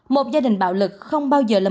một gia đình bạo lực không bao giờ là